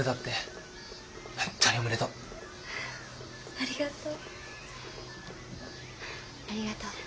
ありがとう。